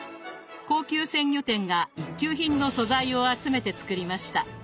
高級鮮魚店が一級品の素材を集めて作りました。